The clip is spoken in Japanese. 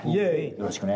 よろしくね。